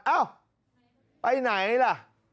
เอ้าไปไหนล่ะ